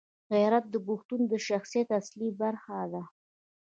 غیرت د پښتون د شخصیت اصلي برخه ده.